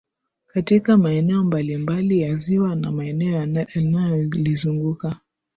katika maeneo mbalimbali ya ziwa na maeneo yanayolizunguka